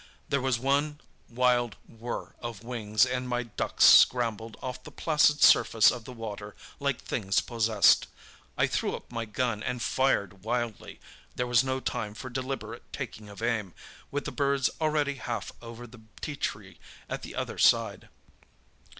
There was one wild whirr of wings, and my ducks scrambled off the placid surface of the water like things possessed. I threw up my gun and fired wildly; there was no time for deliberate taking of aim, with the birds already half over the ti tree at the other side."